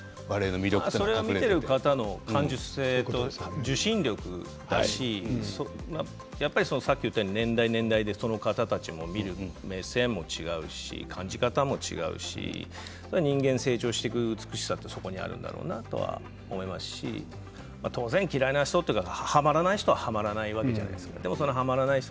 ふだん熊川さん跳躍力空中で何回ぐらい足を開いてるんだろうとかそれは見ている方の感受性、受信力だしやっぱりさっき言ったように年代、年代でその方たちも見る目線も違うし感じ方も違うし人間成長していく美しさはそこにあるんだろうなと思いますし当然、嫌いな人、はまらない人ははまらないわけじゃないですか。